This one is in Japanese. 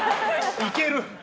いける。